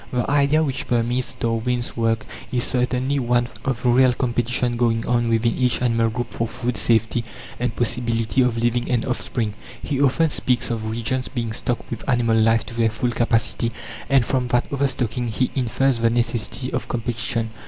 The idea which permeates Darwin's work is certainly one of real competition going on within each animal group for food, safety, and possibility of leaving an offspring. He often speaks of regions being stocked with animal life to their full capacity, and from that overstocking he infers the necessity of competition.